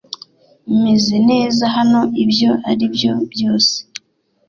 Meze neza hano ibyo ari byo byose